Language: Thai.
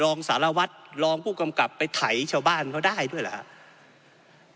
รองสารวัตรรองผู้กำกับไปไถชาวบ้านเขาได้ด้วยเหรอครับ